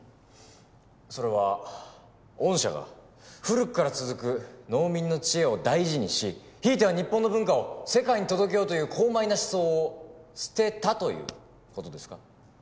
それは御社が古くから続く農民の知恵を大事にしひいては日本の文化を世界に届けようという高邁な思想を捨てたという事ですか？